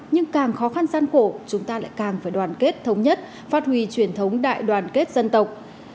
nhưng càng khó khăn gian khổ chúng ta lại càng phải đoàn kết thống nhất phát huy truyền thống đại đoàn kết dân tộc